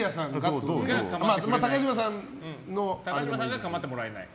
高嶋さんがかまってもらえない。